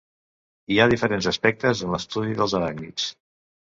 Hi ha diferents aspectes en l'estudi dels aràcnids.